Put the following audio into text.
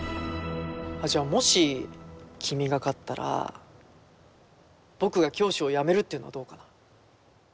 あっじゃあもし君が勝ったら僕が教師を辞めるっていうのはどうかな？